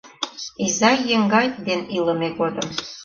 Изай-еҥгай ден илыме годым